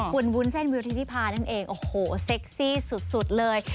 คุณวุ้นเส้นวิวทิธิพานั่นเองโอ้โหเซ็กซี่สุดเลย